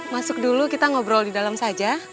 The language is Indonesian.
masuk dulu kita ngobrol di dalam saja